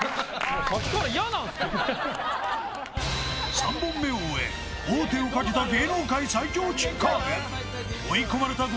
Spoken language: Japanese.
３本目を終え、王手をかけた芸能界最強キッカー軍。